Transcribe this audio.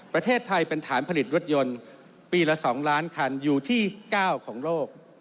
ประเทศไทยเป็นฐานผลิตรถยนต์ปีละ๒ล้านคันอยู่ที่๙ของโลก